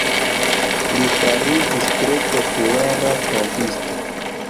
Li fariĝis tre populara kantisto.